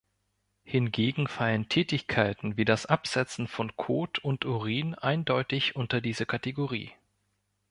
Hingegen fallen Tätigkeiten wie das Absetzen von Kot und Urin eindeutig unter diese Kategorie.